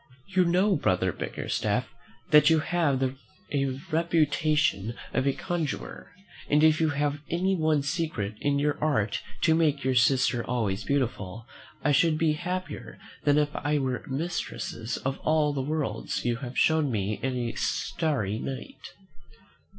You know, brother Bickerstaff, that you have the reputation of a conjurer; and if you have any one secret in your art to make your sister always beautiful, I should be happier than if I were mistress of all the worlds you have shown me in a starry night."